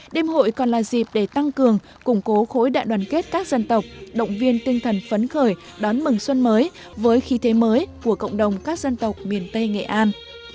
đêm hội còn là dịp để tăng cường củng cố khối đại đoàn kết các dân tộc động viên tinh thần phấn khởi đón mừng xuân mới với khí thế mới của cộng đồng các dân tộc miền tây nghệ an